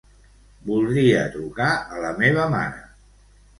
Voldria trucar a la meva mare.